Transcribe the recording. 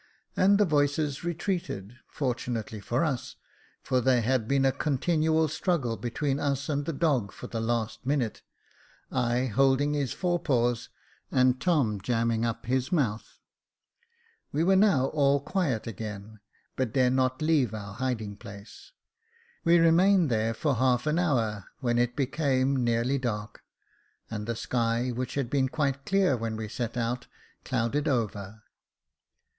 And the voices retreated, fortunately for us, for there had been a con tinual struggle between us and the dog for the last minute, I holding his fore paws, and Tom jamming up his mouth. 174 Jacob Faithful We were now all quiet again, but dare not leave our liiding place. We remained there for half an hour, when it became nearly dark, and the sky, which had been quite clear when we set out, clouded over.